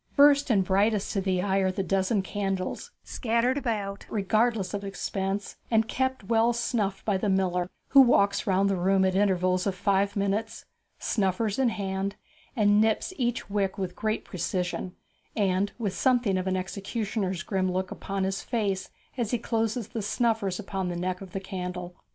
First and brightest to the eye are the dozen candles, scattered about regardless of expense, and kept well snuffed by the miller, who walks round the room at intervals of five minutes, snuffers in hand, and nips each wick with great precision, and with something of an executioner's grim look upon his face as he closes the snuffers upon the neck of the candle.